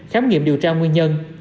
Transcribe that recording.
khám nghiệm điều tra nguyên nhân